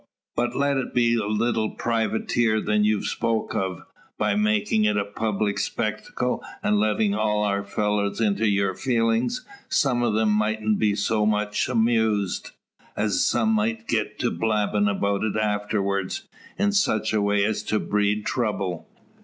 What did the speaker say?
But let it be a leetle privater than you've spoke o'. By makin' it a public spectacle, an' lettin' all our fellars into your feelins, some o' 'em mightn't be so much amused. An some might get to blabbin' about it afterwards, in such a way as to breed trouble.